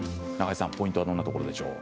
ポイントはどんなところでしょう。